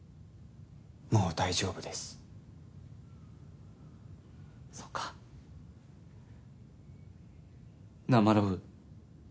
もう大丈夫ですそっかなあ学